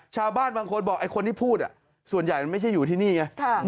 ชาวบ้านบางคนบอกไอ้คนที่พูดส่วนใหญ่มันไม่ใช่อยู่ที่นี่ไง